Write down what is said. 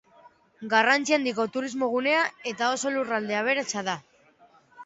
Garrantzi handiko turismo gunea eta oso lurralde aberatsa da.